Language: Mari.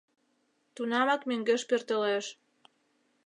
Тунамак мӧҥгеш пӧртылеш.